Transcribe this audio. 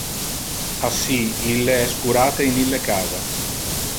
Assi ille es curate in ille casa.